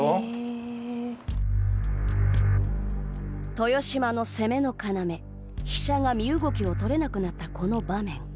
豊島の攻めの要、飛車が身動きをとれなくなったこの場面。